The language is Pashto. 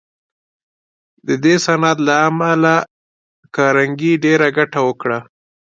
د دې صنعت له امله کارنګي ډېره ګټه وکړه